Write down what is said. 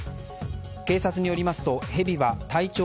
警察によりますとヘビは体長